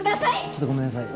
ちょっとごめんなさい。